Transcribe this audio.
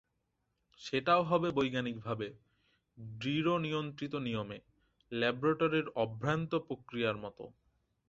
সেটাও হবে বৈজ্ঞানিকভাবে, দৃঢ়নিয়ন্ত্রিত নিয়মে, ল্যাবরেটরির অভ্রান্ত প্রক্রিয়ার মতো।